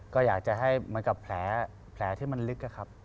ก็อยากจะให้เหมือนกับแผลที่มันลึกอะครับ